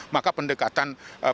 maka pendekatan pelindungan anaknya